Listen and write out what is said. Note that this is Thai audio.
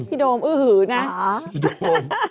โดมอื้อหือนะ